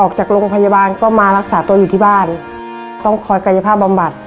ออกจากโรงพยาบาลก็มารักษาตัวอยู่ที่บ้านต้องคอยกายภาพบำบัด